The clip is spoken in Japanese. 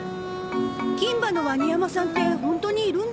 金歯のワニ山さんってホントにいるんですか？